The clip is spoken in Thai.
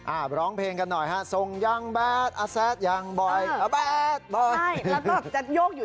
อ่าร้องเพลงกันหน่อยฮะทรงยังยังบ่อยไม่แล้วก็จะโยกอยู่